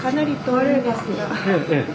はい。